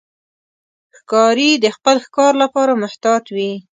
ښکاري د خپل ښکار لپاره محتاط وي.